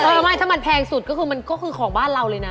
ไม่ก็คือว่ามันแพงสุดก็คือของบ้านเราเลยนะ